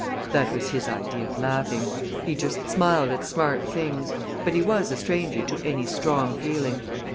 That was his idea of laughing; he just smiled at smart things, but he was a stranger to any strong feeling.